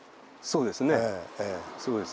そうですね。